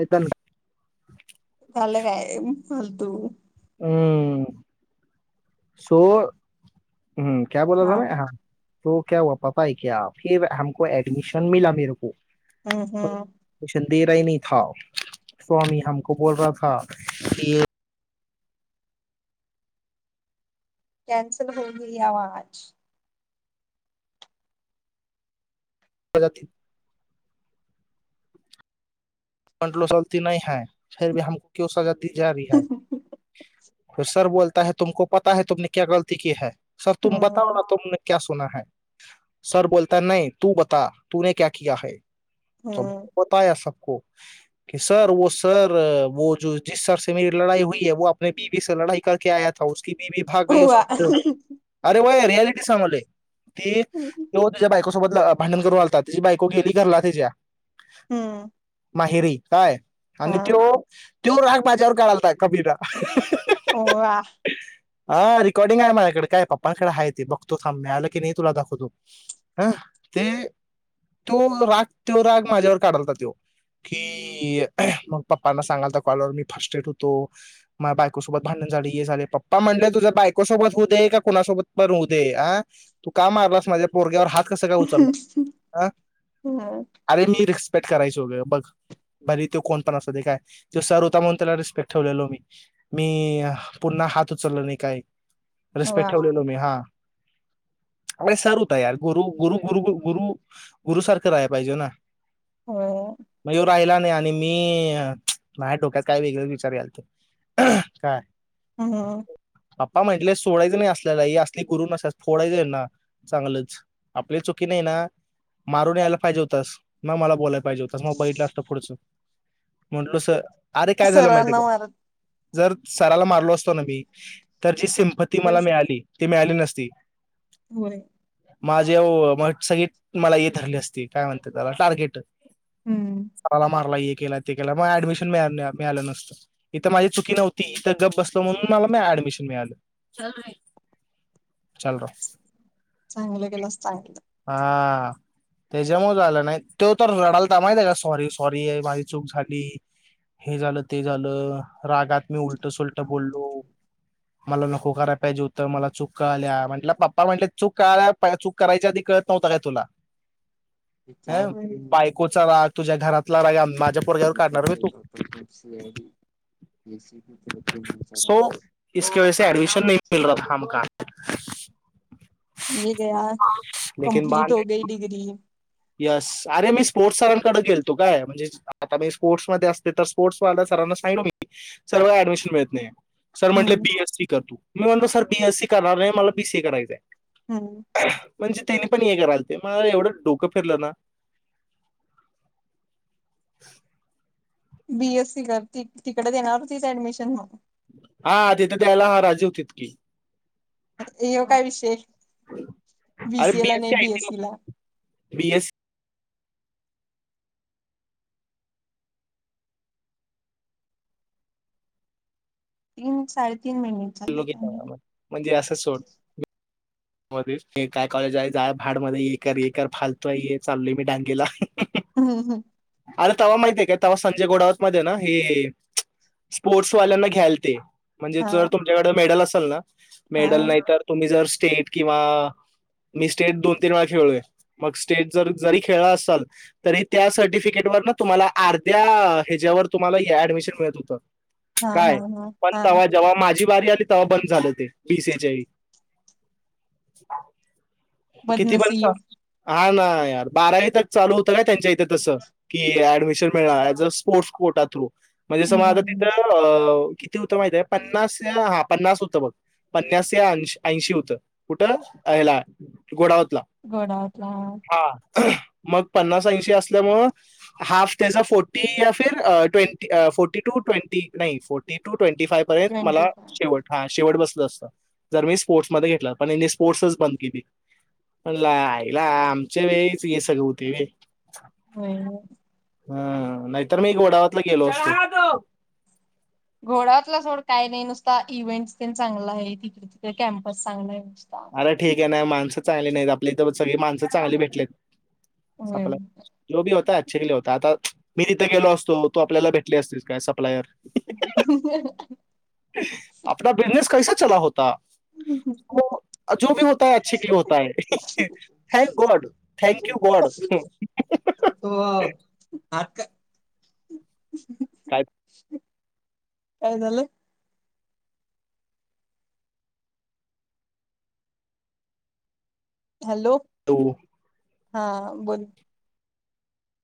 येताना भरतो. हम्म, सो हम्म क्या बोला था मै? हा. तो क्या हुआ पता है क्या, फिर हमको एडमिशन मिला मेरे को हम् पर हम् एडमिशन दे रहा नही था, स्वामी हमको बोल रहा था की अ. कॅनसल हो गई आवाज [inaudible] म्हटलो सर ती नाही हाय, फिर भी हमको क्यू सजा ति जा बी हाय. फिर सर बोलता है, तुमको पता है तुमने क्या गलती कि है. सर तुम बताओ हम्म ना तुमने क्या सुना है, सर बोलता है, नही तू बता तूने क्या किया है. तो, हम्म बताया सब. को की सर वो सर वो जो जिस सरसे मेरी लडाई हुई है, वो आपने बीबी से लढाई करके आया उसकी बीबी भाग गयी हुआ उसको, अरे व्हय. रियालिटी समोल ये. ते दोन तिच्या बायको तो बदलं भांडण करून आलता, त्याची बायको गेली घरला तेच्या. हम माहेरी काय. आणि त्यो त्यो राग माझ्यावर काढायलथाय, कबीरा. हुआ हा रेकॉर्डिंग आहे माझ्याकडे काय, पप्पांकडे हाय ते, बघतो थांब, मिळालं की नाही तुला दाखवतो हं, ते त्यो राग तो राग माझ्यावर काढाय त्यो थे, की पप्पांना सांगायला लागलो होतो कॉल वर मी थे फर्स्टट्रेड होतो, माझंही बायकोसोबत भांडण झाली पप्पा म्हणले तुझ्या बायकोसोबत होऊ दे, की कोणासोबत पण होऊ दे आ, तू का मारलास माझ्या पोरग्यावर हात कस काय उचललास अ हम्म अरे मी रिक्स ट करायजोग बग. भरी ते कोण पण अस दे काय तो सर होता म्हणून त्याला रिस्पेक्ट ठेवलेलो मी, मी पुन्हा हात उचललो नाही काय. हुआ रिस्पेक्ट ठेवलेलो मी हा. मि संत यार गुरु गुरु गुरुु गुरु गुरु सारखं राहाया पाहिजे ना. होय. मग येऊ राहिला नाही आणि मी अ माया डोक्यात काय वेगळ विचार यालत, काय हहम, आप्पा म्हटले, सोडायचं नाही असल्याला असले गुरु नस फोडायच यान्ना चांगलच आपली चुकी नाही ना, मारून यायला पाहिजे होतस मग मला बोलायला पाहिजे होतास. मग बघीतल असत पुड च म्हटलो सर अरे काय झालं माहितीय सरांना का मारत जर सराला मारलो असतो ना मी तर जी सिम्पती इकडं मला सर मिळाली ती मिळाली न ती होय माला ही सगळी धरली असती मला काय म्हणते त्याला टार्गेट हम्म चला मारला एक केला ते केला म ऍडमिशन मिळालं नसतं इथ माझी चुकी नव्हती इथ गप बसल म्हणून मला ऍडमिशन मिळालं शालराव चांगलं केलास चांगलं हा त्याज्यामुळे झालं नाही तो तर रडालता माहितेका सॉरी सॉरी माझी चूक झाली हे झालं ते झालं रागात मी उलट सुल्ट बोललो मला नको करायला पाहिजे होतं मला चूक कलाल्या म्हटलं पप्पा म्हटले चूक कलाल्या चूक करायची आधिक कळत नव्हता काय तुला हं बायकोचा राग तुझ्या घरातला राग पोरग्यावर काढणार इपण बे तू सेप ट ट स याडी एसीबी तद्ध सो माचाडली म का मील गया कंम्पीट हो गई डिग्री यस अरे मी स्पोर्ट्स सरांकडे गेलतो काय म्हणजे आता मी स्पोर्ट्स मध्ये असते तर स्पोर्ट्सल्या सरांना सांगलो मी सर्व ऍडमिशन मिळत नाही हाय सर म्हंटले हम्म बीएस सी करतू मी म्हणतो सर बीएसी करणार नाही मला बी सी ए करायचाय हम्म म्हणजे तेनी पण हे कराल ते मला एवढं डोक डोक फिरलं ना बीएस सी कर तिकडे देणार तीच ऍडमिशन म्हणून हा तिथ द्यायला राजी होतीतकी ए ह्यो काय विशेष अरे बीसीए ला नाही आयटी बीएससी ला बीएससी तीन साडेतीन मिनिट झाली [unintelligible] म्हणजे असं सोड मध्येच काय कॉलेज आहे जा भाड मध्ये ये कर ये कर फालतोय हे चाललोय मी डांगेला हम्म हं अरे तेवा माहती आहे काय तेवा संजय गोडावत मध्ये ना हे स्पोर्ट्स वाल्यांना घ्यायलते. म्हणजे हा जर तुमच्याकडे मेडल असेल चल ना हा मेडल नाही तर तुम्ही जर स्टेट किंवा मी स्टेट दोन तीन वेळा खेळलोय मग स्टेट जर जरी खेळला असाल, तरी त्या सर्टिफिकेट त्याच्यावर तुम्हाला अर्ध्या ह्याच्यावर तुम्हाला ऍडमिशन मिळत होत. हा हा काय हा पण हा तेवा जेव्हा माझी बारीक आली ते बंद झाले ते [unintelligible] किती पण चाल बदनसीब हा ना यार बारावी तक चालू होतं काय? त्यांच्या इथं तसं ऍडमिशन मिळणार as a sport quota through म्हणजे असं माझं हम्म तिथं अं किती होतं माहिती आहे पन्नास हा पन्नास होतं बघ पन्नास या ऐंशी होतं. कुठं याला घोडावत घोडावतला मग पन्नास ऐंशी असल्यामुळ हाफ त्याचा फोर्टी फिर ट्वेन्टी फोर्टी टू ट्वेंटी नाही फोर्टी टू ट्वंटिफाय पर्यंत मला ट्वेंटी फाय शेवटा हा शेवट बसलं असत जर मी स्पोर्ट्स मध्ये घेतलं, पण यांनी स्पोर्टसच बंद केली. म्हणलं आयला आमच्या वेळीच हे सगळ होतंय होय. नाही हो हा नाहीतर मी घोडावतला गेलो असतो. घोडावतला सोड काय नाही नुसता इव्हेंट चांगला आहे तिकडे कॅम्पस चांगला आहे नुसता नाही माणसं चांगली नाहीत आपल्याइथ सगळी माणसं चांगली भेटलेत होय संपल जो भी होताय. शिकले होता आता मी तिथं गेलो असतो तो आपल्याला भेटली असती काय सप्लायर आपला बिझनेस कैसा [inaudible] चला होता हो जो भी होताय अच्छे के लिये होता है. Thank God thank you God तो [unintelligible] काय कायदल हॅलो हो हा बोलोल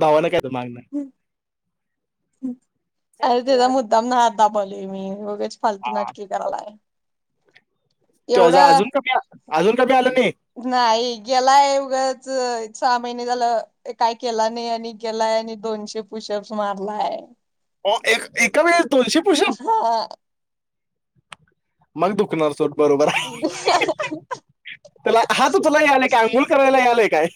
भावाना काय माग ना हम् अर तेचा मुद्दाम ना मी फलतू नाटकी कराला आहे तेझ अजून की अस अजून का आलं नाही नाही गेलाय उगं सहा महिने झालं काय केला नाही आणि गेलाय आणि दोनशे पुशअप्स मारलाय हा एका वेळे दोनशे पुशअप्स. हा मग दुखणार सोड. बरोबर. त्याला हात उचलायला यालाय काय? अंघूळ करायला यालाय काय?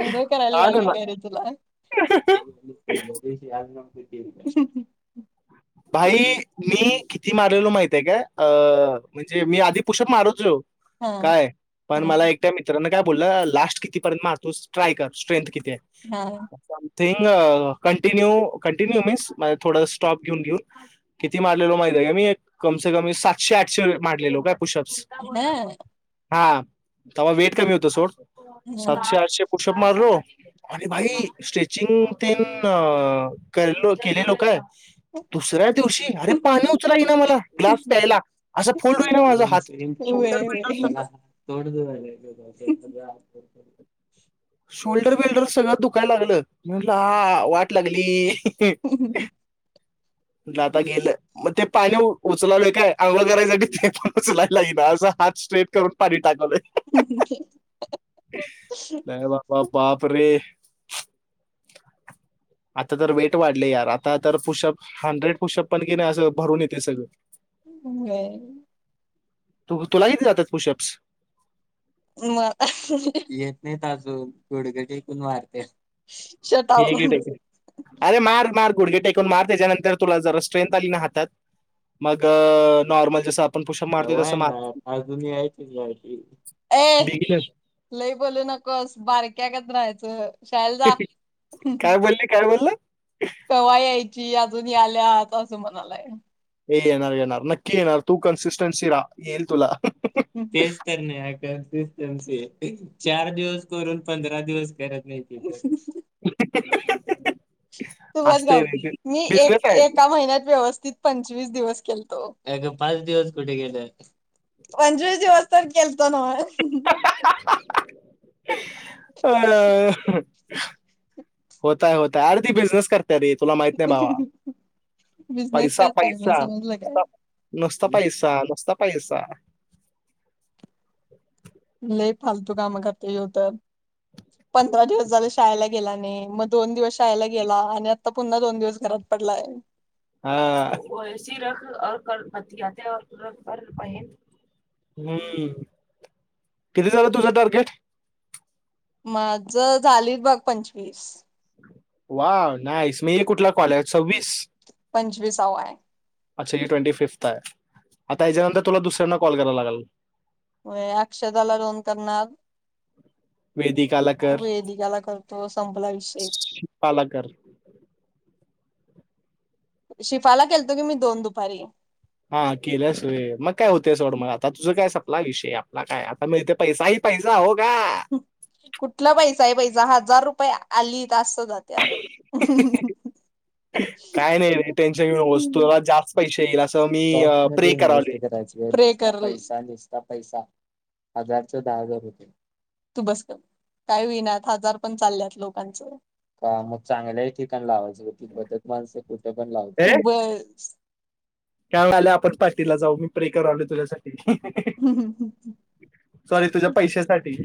आंघोळ करायला हा ना यायलय ना. काय रे तुला? एक पहिल्या दिवशी हम्म हम्म. भाई मी किती मारलेल माहित आहे का? अ म्हणजे मी आधी पुशअप्स मारत जो हा काय पण हा मला एकट्या मित्रांन काय बोलला लास्ट कितीपर्यंत मारतोस ट्राय कर स्ट्रेंथ कि ते हा थिंंग कंटिन्यू कंटिन्यू मिी्स थोडा स्टॉप घेऊन घेऊन किती मारलेल माहिती आहे का मी एक कमसे कमी सातशे आठशे मारलेलो काय. पुशअप्स. हा हा ते्हा वेट कमी होतं सोड. हा. सातशे आठशे पुशप मारलो. आणि भाई स्टेचिंग तेन केलेलो काय. दुसऱ्या दिवशी अरे पाणी उचलाय ना मला ग्लास प्यायला असा फोल्ड होई ना माझा हात सोल्डर होय बिल्डर सगळं हम. शोल्डर बिल्डर सगळं दुखायला लागलं, म्हटलं लागली. हम्म हम्म हम. म्हंटलं आता गेलं. मग ते पाणी उचलालोय काय अगोदर सारखं ते पण उचलायला येईना असा हात स्ट्रेट करून पाणी कले हा हा हा. नाही बाबा बाप रे! आता तर वेट वाढले यार आता तर पुशअप हंड्रेड पुशअप पण की नाइ असं भरून येतंय सगळं. होय. तू तुला किती जातात पुशप्स. मग येत नाहीत अजून गुडघे टेकून मारत्या. ठीके ठीके अरे मार मार. गुडघे टेकून मार त्याच्यानंतर तुला जरा स्ट्रेन्ग्थ आली ना हातात मग नॉर्मल जसा कवा येणार अजून यायची अशी ए बिगिनर लई बोलू नकोस बारक्या गत रायचं. च. काय बोलली? काय बोलला? ती अजून याल्यात असं म्हणालाय. ये येणार येणार नक्की येणार तू कन्सिस्टनसी रा येईल तुला. तेज तर न्याही का [unintelligible] चे चार दिवस करून पंधरा दिवस करत नाही हे हे हे हे हे हे हे तुमस गाव मी बिझनेस एक आहे एका महिन्यात व्यवस्थित पंचवीस दिवस केलतो अगो पाच दिवस कुठे गले पंचवीस दिवस तर केलतो ना हा हा हा हा अ अ अ होताय होताय आर ती बिझनेस कर अरे तुला माहित नाही भावा बिझनेस पैसा करते मी पैसा समजलं काय नुसता पैसा नुसता पैसा लई फालतू कामं करता यो तर पंधरा दिवस झाले शाळेला गेला नाही मग दोन दिवस शाळेला गेला आणि आता पुन्हा दोन दिवस घरात पडलाय हा एस रखऔतया र पन ह किती झाला तुझा टारगेट माझं झाली बघ पंचवीस वा नाहीस मी कुठला कॉलर सव्वीस पंचवीसाव्वा आहे अच्छा ही ट्वेंटी फिफ्थ आए आता ह्याच्यानंतर तुला दुसऱ्यांना कॉल कराय लागल. अक्षदाला लोन करणार वेदिकाला कर, वेदिकाला करतो संपला विषेय शिल्पाला कर. शिफाला केलतं ग मी दोन दुपारी हा केलंसय मग काय होते सोड मग आता तुझं काय सपला विषय आपला काय आता मिळते पैसा ही पैसा होगा कुठला पैसा ए पैसा हाजार रुपये आली का आसं जात्याय काय नाही रे टेन्शन घेऊ नकोस तूला जास पैशे एइ इलास [unintelligible] करायचीे पैसा हजार दहा हजार रुपये तू बस काय विना हजार पण चालल्यात लोकांच मग चांगले ठिकाण लावा बदत माणस कुठे पण लावतात ए? तू बस काय व्हायलय आपण पार्टीला जाऊ मी प्रे करालोय तुझ्यासाठी सॉरी तुझ्या पैशासाठी.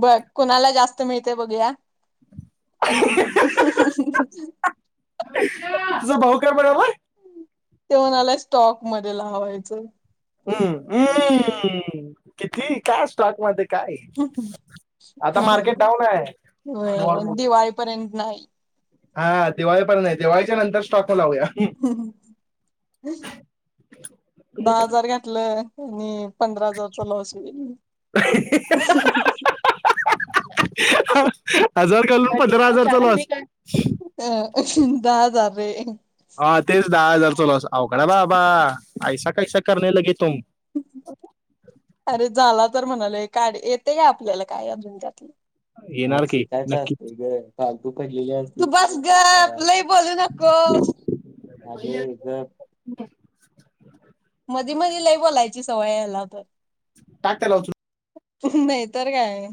बर कोणाला जास्त मिळतंय बघूया तुझा भाऊ काय म्हणाला त्यो म्हणालाय स्टॉकमध्ये लावायचं हम्मम्म किती काय स्टॉकमध्ये [inaudible] होय डाऊन आहे वॉरमुळे. दिवाळीपर्यंत नाही हा दिवाळी पण नाही दिवाळीच्या नंतर स्टॉक लावूया दहा हजार घातलं ह पंधरा हजारचा लॉस होईल हा हजर पंधरा हजारचा लॉस अ दहा हजार रे हा तेच दहा हजारचा लॉस अवघड बाबा ऐसा कैसा करने लगे तुम अरे झाला तर म्हणाले का येते का आपल्याला काय अजून त्यातलं मग येणार की शिकायचं नक्की असत ग काल तू बस ग बोलू नकोस तर [inaudible] मधी मधी लई बोलायची सवय याला तर टाक त्याला उचलून नाहीतर काय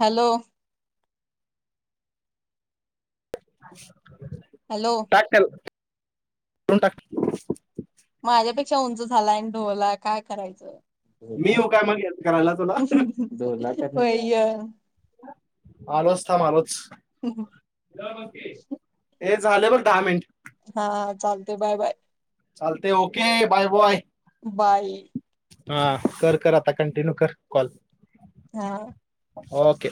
हॅलो अच्छा हॅलो टॅकल तण टाक माझ्यापेक्षा उंच झालाय बोला काय करायचं मी ढोला येऊ काय मग हेल्प करायला तुला होयय आलोच थमलोच तेच झाल्यावरर दहा मिनिट हा चालते बाय बाय चालते ओके बाय बाय बाय हा कर कर आता कंटिन्यू कर कॉल हा ओके